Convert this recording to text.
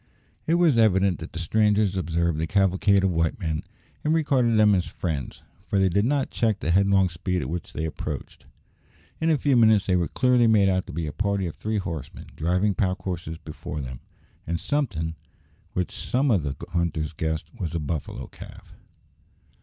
It was evident that the strangers observed the cavalcade of white men, and regarded them as friends, for they did not check the headlong speed at which they approached. In a few minutes they were clearly made out to be a party of three horsemen driving pack horses before them, and somethin' which some of the hunters guessed was a buffalo calf.